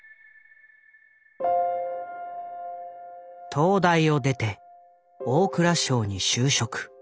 東大を出て大蔵省に就職。